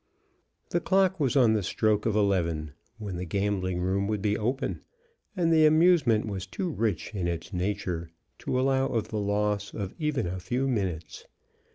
The clock was on the stroke of eleven, when the gambling room would be open, and the amusement was too rich in its nature to allow of the loss of even a few minutes.